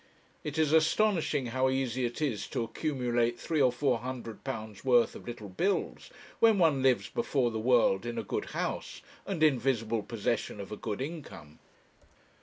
It is astonishing how easy it is to accumulate three or four hundred pounds' worth of little bills, when one lives before the world in a good house and in visible possession of a good income.